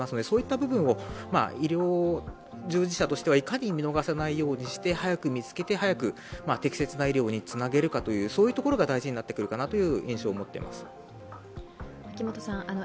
そういった部分を医療従事者としていかに見逃さないようにして、早く見つけて早く適切な医療につなげるかというところが大事になってくるかなという印象を持っています。